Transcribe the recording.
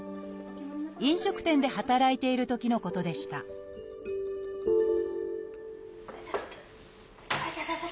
飲食店で働いているときのことでしたいたたた。